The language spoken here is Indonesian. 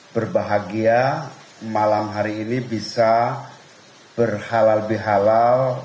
berbahagia malam hari ini bisa berhalal bihalal